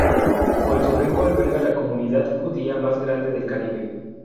Puerto Rico alberga la comunidad judía más grande del Caribe.